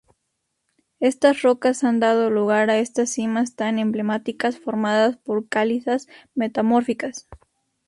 Estas rocas han dado lugar a estas cimas tan emblemáticas, formadas por calizas metamórficas.